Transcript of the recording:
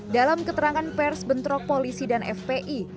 dalam keterangan pers bentrok polisi dan fpi